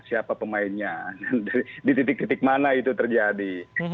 siapa pemainnya di titik titik mana itu terjadi